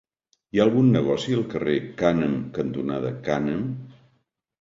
Hi ha algun negoci al carrer Cànem cantonada Cànem?